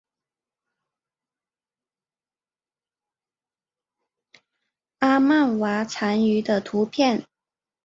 阿曼蛙蟾鱼的图片